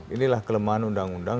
inilah kelemahan undang undang